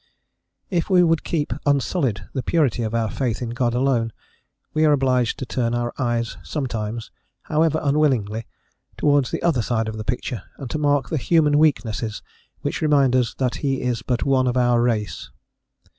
If we would keep unsullied the purity of our faith in God alone, we are obliged to turn our eyes some times however unwillingly towards the other side of the picture and to mark the human weaknesses which remind us that he is but one of our race.